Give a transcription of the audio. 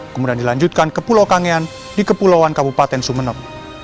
kemudian dilanjutkan ke pulau kangean di kepulauan kabupaten sumeneb